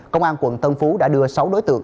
công an tp tp đã đưa sáu đối tượng